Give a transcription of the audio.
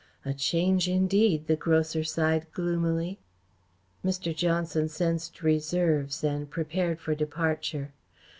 "A change indeed," the grocer sighed gloomily. Mr. Johnson sensed reserves and prepared for departure.